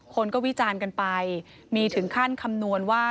คนก็วิจารณ์กันไปมีถึงขั้นคำนวณว่า